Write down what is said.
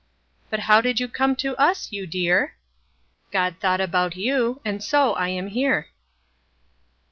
But how did you come to us, you dear? God thought about you, and so I am here.